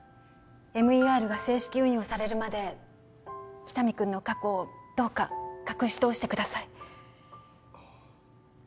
ＭＥＲが正式運用されるまで喜多見君の過去をどうか隠し通してください